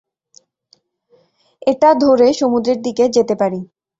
এটা ধরে সমুদ্রের দিকে যেতে পারি।